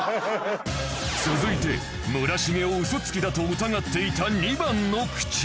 続いて村重をウソつきだと疑っていた２番のクチ